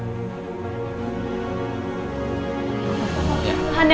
di budaya masa paniknya